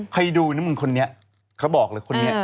ใครดูนะมึงคนนี้เขาบอกเลยคนนี้